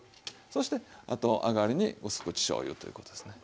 そしてあとあがりにうす口しょうゆということですね。